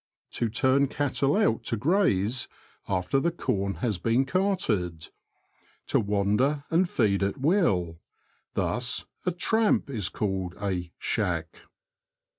— To turn cattle out to graze after the corn has been carted. To wander and feed at will ; thus, a tramp is called a "shack."